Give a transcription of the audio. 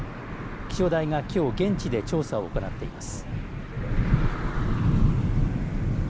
気象台がきょう現地で調査を行っています。